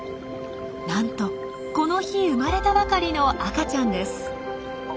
なんとこの日生まれたばかりの赤ちゃんです。